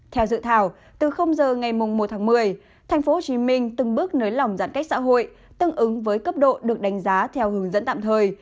theo dự thảo từ giờ ngày một tháng một mươi tp hcm từng bước nới lỏng giãn cách xã hội tương ứng với cấp độ được đánh giá theo hướng dẫn tạm thời